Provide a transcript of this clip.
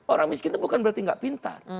orang miskin itu bukan berarti gak pintar